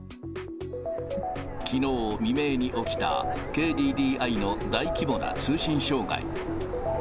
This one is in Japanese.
きのう未明に起きた、ＫＤＤＩの大規模な通信障害。